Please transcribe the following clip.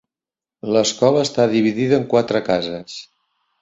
L'escola està dividida en quatre cases.